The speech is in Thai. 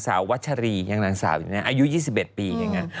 ไม่ใช่แล้วปี่